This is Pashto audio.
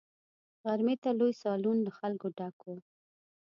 غرمې ته لوی سالون له خلکو ډک وو.